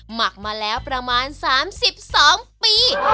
หมักมาแล้วประมาณ๓๒ปี